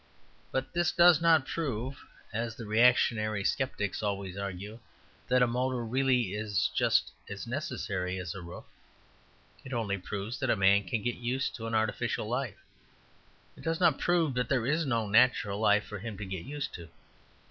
But this does not prove (as the reactionary sceptics always argue) that a motor really is just as necessary as a roof. It only proves that a man can get used to an artificial life: it does not prove that there is no natural life for him to get used to.